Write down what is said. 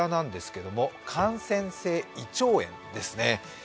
感染性胃腸炎です。